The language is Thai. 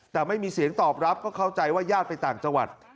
แต่ไม่มีเสียงตอบรับก็เข้าใจว่าญาติไปต่างจังหวัด